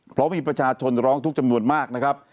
เพราะมีประชาชนร้องทุกข์จำนวนมากนะครับ